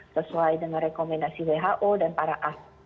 sesuai dengan rekomendasi who dan para ahli